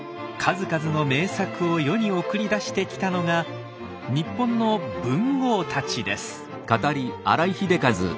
数々の名作を世に送り出してきたのが日本の文豪たちです。